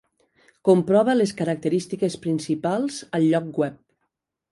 Comprova les característiques principals al lloc web.